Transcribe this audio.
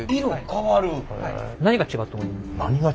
何が違うと思いますか？